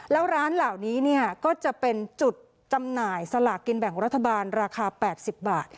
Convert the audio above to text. แล้วร้านเหล่านี้ก็จะเป็นจุดจำหน่ายสลากกินแบ่งรัฐบาลราคา๘๐บาท